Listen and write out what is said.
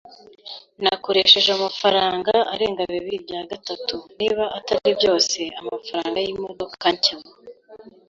Nakoresheje amafaranga arenga bibiri bya gatatu, niba atari byose, amafaranga yimodoka nshya.